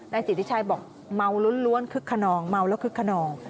สิทธิชัยบอกเมาล้วนคึกขนองเมาแล้วคึกขนอง